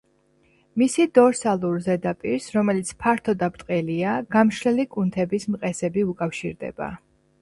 მისი დორსალურ ზედაპირს, რომელიც ფართო და ბრტყელია, გამშლელი კუნთების მყესები უკავშირდება.